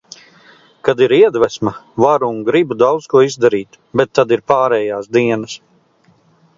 Kad ir iedvesma, varu un gribu daudz ko izdarīt, bet tad ir pārējās dienas.